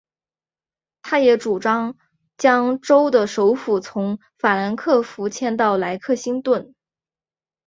他也主张将州的首府从法兰克福迁到莱克星顿。